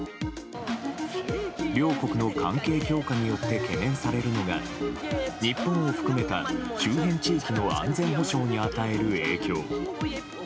両国の関係強化によって懸念されるのが、日本を含めた周辺地域の安全保障に与える影響。